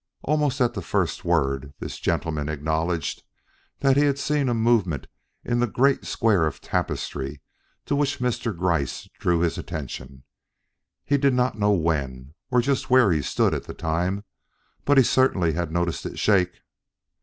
Almost at the first word, this gentleman acknowledged that he had seen a movement in the great square of tapestry to which Mr. Gryce drew his attention. He did not know when, or just where he stood at the time, but he certainly had noticed it shake.